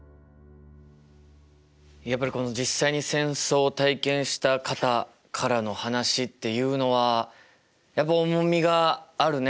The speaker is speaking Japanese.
やっぱり実際に戦争を体験した方からの話っていうのは重みがあるね。